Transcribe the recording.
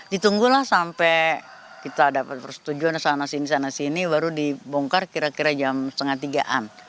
ditunggulah sampai kita dapat persetujuan sana sini sana sini baru dibongkar kira kira jam setengah tiga an